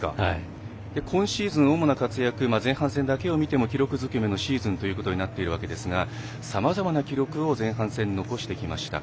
今シーズン、主な活躍前半戦だけを見ても記録尽くめのシーズンとなっているわけですがさまざまな記録を前半戦残してきました。